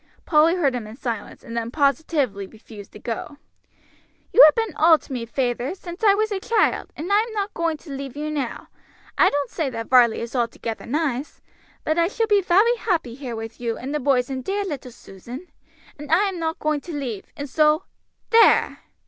Polly heard him in silence, and then positively refused to go. "You have been all to me, feyther, since I was a child, and I am not going to leave you now. I don't say that Varley is altogether nice, but I shall be very happy here with you and the boys and dear little Susan, and I am not going to leave, and so there!"